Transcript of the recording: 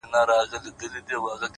لوړ اخلاق خاموش عزت دی,